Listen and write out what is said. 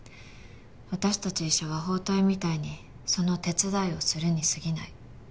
私たち医者は包帯みたいにその手伝いをするにすぎない。